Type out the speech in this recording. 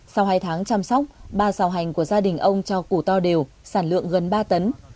sau hai tháng chăm sóc ba xào hành của gia đình ông cho củ to đều sản lượng gần ba tấn